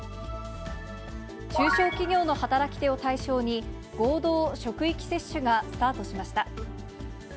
中小企業の働き手を対象に、合同職域接種がスタートしました。